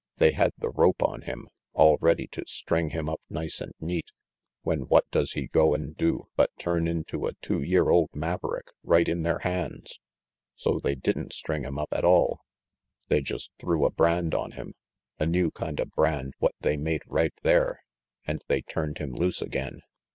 They had the rope on him, all ready to string him up nice and neat, when what does he go and do but turn into a two year old maverick right in their hands. So they didn't string him up at all. They just threw a brand on him, a new kind of brand what they made right there, and they turned him loose again.